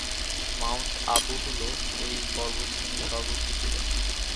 Mount Abu হল এই পর্বতশ্রেণীর সর্বোচ্চ চূড়া।